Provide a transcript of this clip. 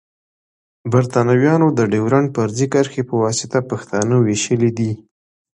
بريتانويانو د ډيورنډ فرضي کرښي پواسطه پښتانه ويشلی دی.